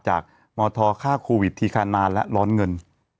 มธฆ่าโควิดทีคานานและร้อนเงิน